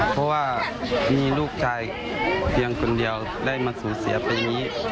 เพราะว่ามีลูกชายเพียงคนเดียวได้มาสูญเสียปีนี้